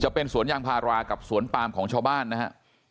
เป็นสวนยางพารากับสวนปามของชาวบ้านนะฮะ